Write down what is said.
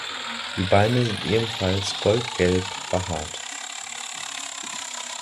Die Beine sind ebenfalls goldgelb behaart.